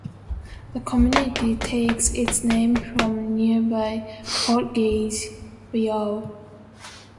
The community takes its name from nearby Portage Bayou.